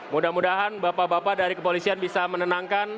mudah mudahan bapak bapak dari kepolisian bisa menenangkan